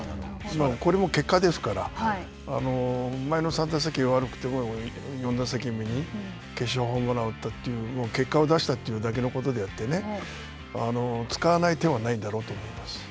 これも結果ですから、前の３打席が悪くても、４打席目に決勝ホームランを打ったという結果を出したというだけのことであって、使わない手はないんだろうと思います。